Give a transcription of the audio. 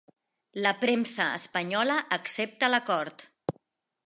La premsa espanyola accepta l'acord